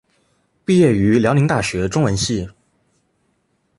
毕业于辽宁大学中文系。